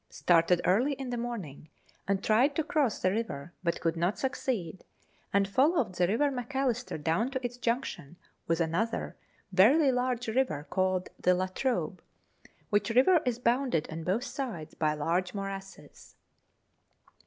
Started early in the morning, and tried to cross the river, but could not succeed, and followed the River Macalister down to its junction with another very large river called the La Trobe, which river is bounded on both sides by large morasses.